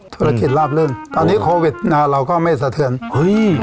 ธุรกิจลาบลื่นตอนนี้โควิดนะฮะเราก็ไม่สะเทือนเฮ้ย